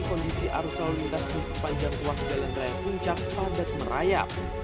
kondisi arus lalu lintas di sepanjang ruas jalan raya puncak padat merayap